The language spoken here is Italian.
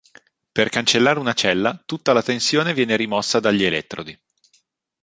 Per cancellare una cella, tutta la tensione viene rimossa dagli elettrodi.